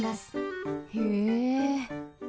へえ。